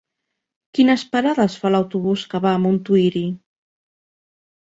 Quines parades fa l'autobús que va a Montuïri?